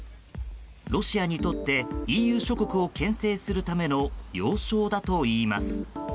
ロシアにとってＥＵ諸国を牽制するための要衝だといいます。